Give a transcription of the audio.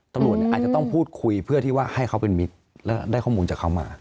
ตำรวจอาจจะต้องพูดคุยเพื่อที่ว่าให้เขาเป็นมิตรและได้ข้อมูลจากเขามา